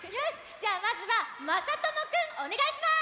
じゃあまずはまさともくんおねがいします！